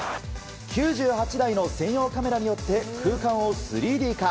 ９８台の専用カメラによって空間を３Ｄ化。